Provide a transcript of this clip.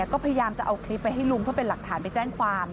ก็พยายามจะเอาคลิปไปให้ลุงเพื่อเป็นหลักฐานไปแจ้งความ